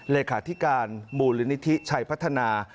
เลขาธิการมูลนิธิชัยพัฒนา